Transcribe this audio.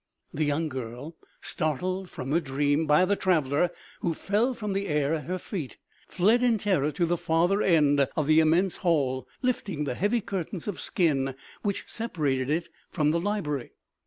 The young girl, startled from her dream by the traveller, who fell from the air at her feet, fled in terror to the farther end of the immense hall, lift ing the heavy curtain of skin which separated it from the library.